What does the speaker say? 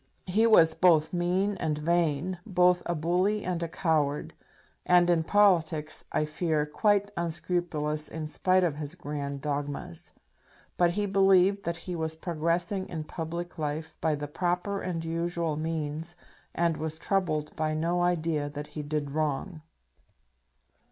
He was both mean and vain, both a bully and a coward, and in politics, I fear, quite unscrupulous in spite of his grand dogmas; but he believed that he was progressing in public life by the proper and usual means, and was troubled by no idea that he did wrong.